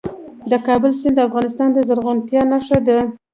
د کابل سیند د افغانستان د زرغونتیا نښه ده.